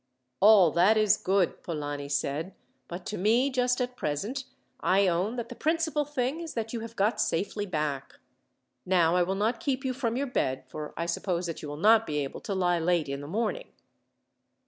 "All that is good," Polani said; "but to me, just at present, I own that the principal thing is that you have got safely back. Now I will not keep you from your bed, for I suppose that you will not be able to lie late in the morning."